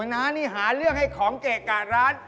น้านี่หาเรื่องให้ของเกะกะร้าน